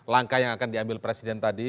langkah yang akan diambil presiden tadi